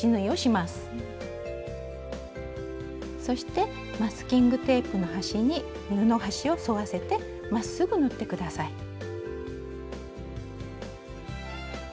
そしてマスキングテープの端に布端を沿わせてまっすぐ縫って下さい。